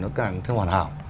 nó càng hoàn hảo